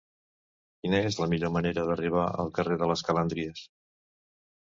Quina és la millor manera d'arribar al carrer de les Calàndries?